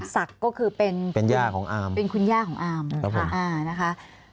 ศักดิ์ก็คือเป็นย่าของอาร์มเป็นคุณย่าของอามครับผมอานะคะ